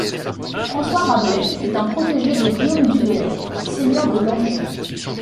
François Rabelais fut un protégé de Guillaume du Bellay, seigneur de Langey.